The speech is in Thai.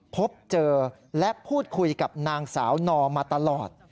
พบเจอและพูดคุยกับนางสาวนอมาตลอด